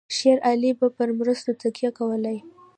شېر علي به پر مرستو تکیه کولای.